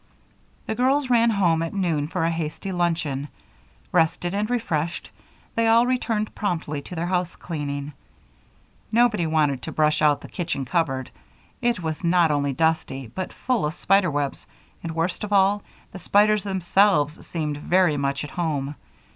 The girls ran home at noon for a hasty luncheon. Rested and refreshed, they all returned promptly to their housecleaning. Nobody wanted to brush out the kitchen cupboard. It was not only dusty, but full of spider webs, and worst of all, the spiders themselves seemed very much at home.